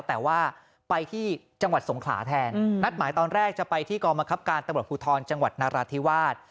แต่ว่าไปที่จังหวัดสงขลาแทนนัดหมายตอนแรกจะไปที่กองบังคับการตำรวจภูทรจังหวัดนราธิวาส